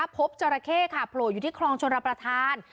จราเข้ค่ะโผล่อยู่ที่คลองชนรับประทาน